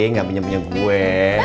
gak punya punya gue